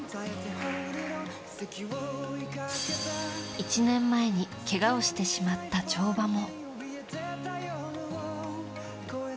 １年前にけがをしてしまった跳馬も。